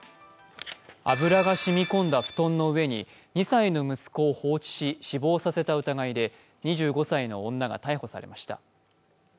油が染み込んだ布団の上に２歳の息子を放置し死亡させた疑いで、２５歳の女が逮捕されました。